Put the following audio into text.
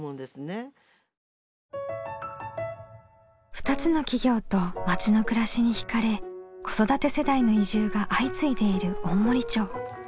２つの企業と町の暮らしにひかれ子育て世代の移住が相次いでいる大森町。